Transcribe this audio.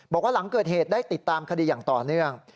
บอกว่าหลังเกิดเหตุได้ติดตามคดีอย่างต่อเนื่อง